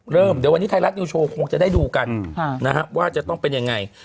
เริ่มเดี๋ยววันนี้ไทยรัฐนิวโชว์คงจะได้ดูกันว่าจะต้องเป็นยังไง